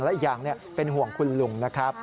และอีกอย่างเป็นห่วงคุณลุงนะครับ